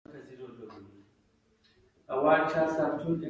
لېوالتیا خلک د ګور له غاړې راستانه کړي دي